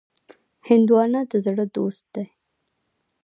هندوانه د زړه دوست دی.